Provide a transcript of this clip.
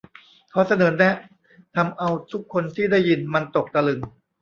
ขอเสนอแนะทำเอาทุกคนที่ได้ยินมันตกตะลึง